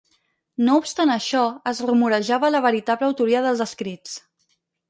No obstant això, es rumorejava la veritable autoria dels escrits.